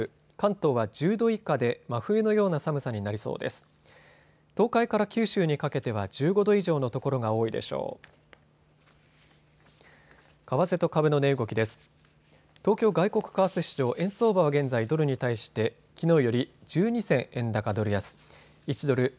東海から九州にかけては１５度以上の所が多いでしょう。